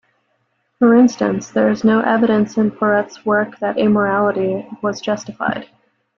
For instance, there is no evidence in Porete's work that amorality was justified.